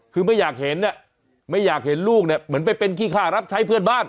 คือไม่อยากเห็นไม่อยากเห็นลูกเนี่ยเหมือนไปเป็นขี้ค่ารับใช้เพื่อนบ้าน